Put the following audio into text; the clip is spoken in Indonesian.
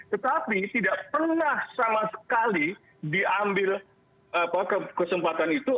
tetapi tidak pernah sama sekali diambil kesempatan itu